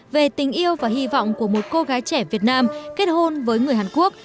về tình yêu và hy vọng của một cô gái trẻ việt nam kết hôn với người hàn quốc